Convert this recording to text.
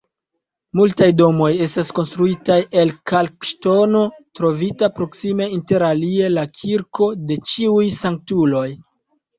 Multaj domoj estas konstruitaj el kalkŝtono, trovita proksime, interalie la kirko de ĉiuj sanktuloj.